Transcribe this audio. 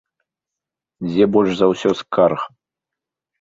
Дзе больш за ўсё скарг?